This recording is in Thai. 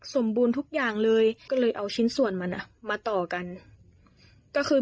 สมบูรณ์ทุกอย่างเลยก็เลยเอาชิ้นส่วนมันอ่ะมาต่อกันก็คือ